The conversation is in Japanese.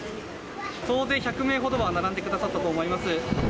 総勢１００名ほどは並んでくださったと思います。